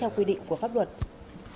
hãy đăng ký kênh để ủng hộ kênh của mình nhé